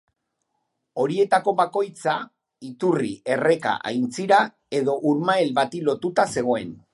Horietako bakoitza, iturri, erreka, aintzira edo urmael bati lotuta zegoen.